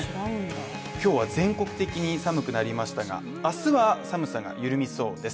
今日は全国的に寒くなりましたが、明日は寒さが緩みそうです。